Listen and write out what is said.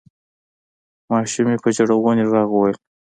ماشومې په ژړغوني غږ وویل: